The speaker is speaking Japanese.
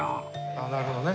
あっなるほどね。